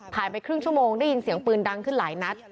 ไปครึ่งชั่วโมงได้ยินเสียงปืนดังขึ้นหลายนัด